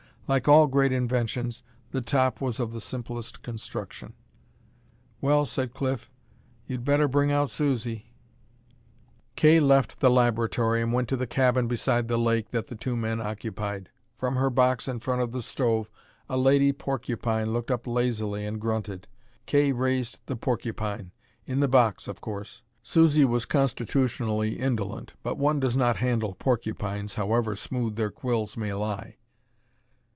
Like all great inventions, the top was of the simplest construction. "Well," said Cliff, "you'd better bring out Susie." Kay left the laboratory and went to the cabin beside the lake that the two men occupied. From her box in front of the stove a lady porcupine looked up lazily and grunted. Kay raised the porcupine; in the box, of course. Susie was constitutionally indolent, but one does not handle porcupines, however smooth their quills may lie.